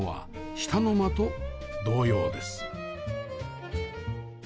下の間と同様です